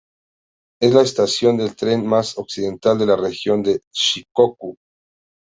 Es la estación de tren más occidental de la Región de Shikoku.